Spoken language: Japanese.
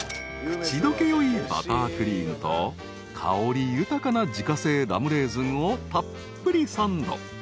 ［口溶けよいバタークリームと香り豊かな自家製ラムレーズンをたっぷりサンド］